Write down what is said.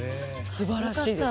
すばらしいです。